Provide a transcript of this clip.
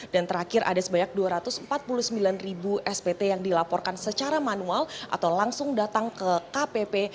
dan terakhir ada sebanyak dua ratus empat puluh sembilan spt yang dilaporkan secara manual atau langsung datang ke kpp